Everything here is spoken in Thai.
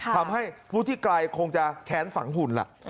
ทำให้ผู้ที่ไกลคงจะแค้นฝังหุ่นล่ะ